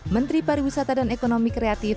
menteri pariwisata dan ekonomi kreatif